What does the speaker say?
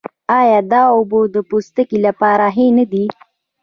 آیا دا اوبه د پوستکي لپاره ښې نه دي؟